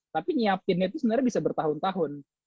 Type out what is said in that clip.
tapi nyiapinnya itu sebenarnya bisa bertahun tahun